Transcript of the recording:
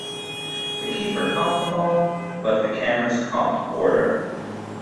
The keeper caught the ball, but the cameras caught Border.